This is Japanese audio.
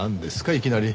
いきなり。